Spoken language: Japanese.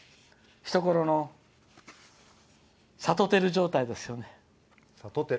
ひところのさとてる状態ですよね。